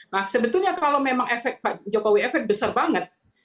nah sebetulnya kalau memang efek pak jokowi efek besar banget